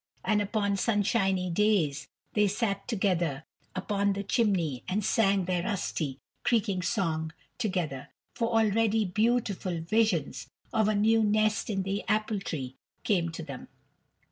And upon sunshiny days they sat together upon the chimney and sang their rusty, creaking song together, for already beautiful visions of a new nest in the apple tree came to them.